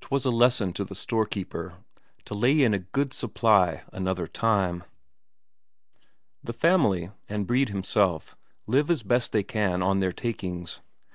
'Twas a lesson to the storekeeper to lay in a good supply another time. The family, and Brede himself, live as best they can on their takings.